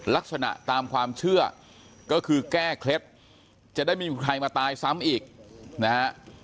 ลักษณะตามความเชื่อก็คือแก้เคล็ดจะได้ไม่มีใครมาตายซ้ำอีกนะฮะ